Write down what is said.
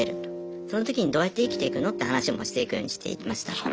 そのときにどうやって生きていくのって話もしていくようにしていきました。